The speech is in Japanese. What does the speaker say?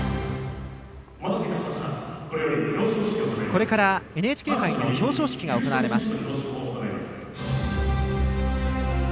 これからＮＨＫ杯の表彰式が行われます。